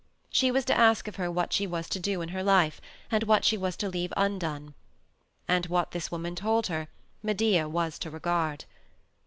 She was to ask of her what she was to do in her life and what she was to leave undone. And what this woman told her Medea was to regard.